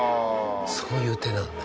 そういう手なんだ。